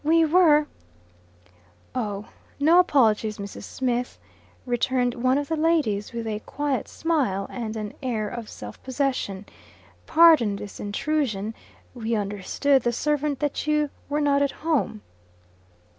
We were " "Oh, no apologies, Mrs. Smith," returned one of the ladies, with a quiet smile, and an air of self possession. "Pardon this intrusion. We understood the servant that you were not at home."